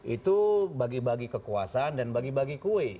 itu bagi bagi kekuasaan dan bagi bagi kue